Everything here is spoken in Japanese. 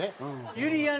ゆりやん